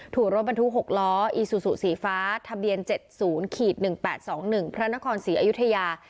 ถูกรถบรรทุก๖ล้ออีซูซูสีฟ้าทะเบียน๗๐๑๘๒๑พระนครศรีอยุธยา